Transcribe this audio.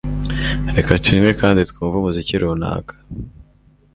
Reka tunywe kandi twumve umuziki runaka